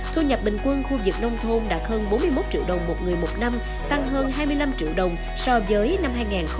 thu nhập bình quân khu vực nông thôn đạt hơn bốn mươi một triệu đồng một người một năm tăng hơn hai mươi năm triệu đồng so với năm hai nghìn một mươi